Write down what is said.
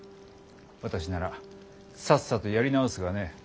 私ならさっさとやり直すがね。